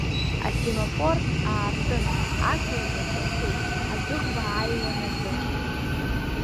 Асимофор аартын, ақалақь аҿынтәи адәыӷба ааиуан азы.